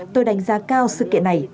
tôi đánh giá cao sự kiện này